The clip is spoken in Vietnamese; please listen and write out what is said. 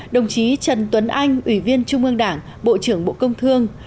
đồng chí trần tuấn anh ủy viên trung ương đảng bộ trưởng bộ công thương